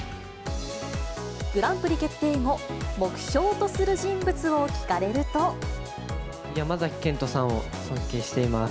グランプリ決定後、山崎賢人さんを尊敬しています。